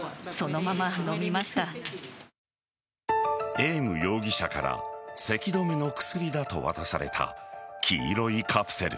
エーム容疑者からせき止めの薬だと渡された黄色いカプセル。